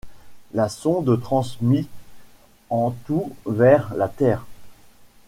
La sonde transmit en tout vers la Terre.